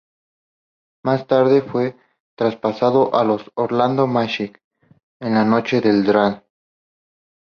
Más tarde, fue traspasado a los Orlando Magic en la noche del draft.